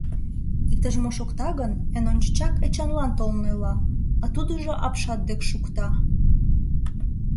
Иктаж-мо шокта гын, эн ончычак Эчанлан толын ойла, а тудыжо апшат дек шукта.